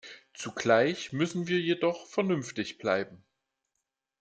Zugleich müssen wir jedoch vernünftig bleiben.